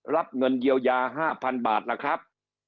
รับเงินเยียวยา๕๐๐๐บาทล่ะครับ